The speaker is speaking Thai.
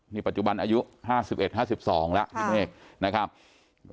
นี่ปัจจุบันอายุห้าสิบเอ็ดห้าสิบสองแล้วพี่เมฆนะครับ